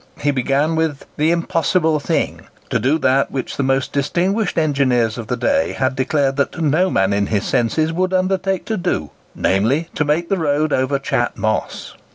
He began with the "impossible thing"—to do that which the most distinguished engineers of the day had declared that "no man in his senses would undertake to do"—namely, to make the road over Chat Moss!